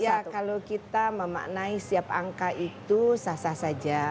ya kalau kita memaknai setiap angka itu sah sah saja